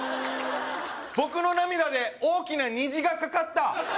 僕の涙で大きな虹が架かった！